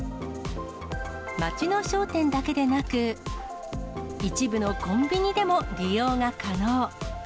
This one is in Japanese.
町の商店だけでなく、一部のコンビニでも利用が可能。